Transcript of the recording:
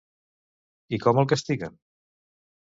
I com el castiguen?